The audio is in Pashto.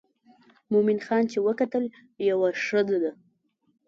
مومن خان چې وکتل یوه ښځه ده.